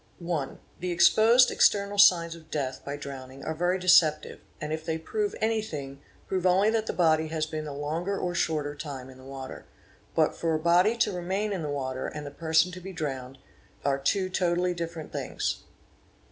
= (1) The supposed external signs of death by drowning are very | CORPSES FOUND IN WATER 649 deceptive and, if they prove anything, prove only that the body has been a longer or shorter time in the water. But for a body to remain in the water and the person to be drowned, are two totally different things.